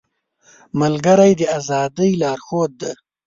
ملګری د ازادۍ لارښود دی